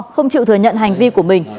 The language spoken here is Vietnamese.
không chịu thừa nhận hành vi của mình